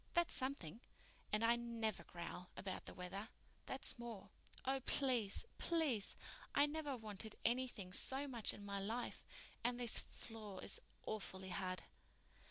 That's something. And I never growl about the weather. That's more. Oh, please, please! I never wanted anything so much in my life—and this floor is awfully hard."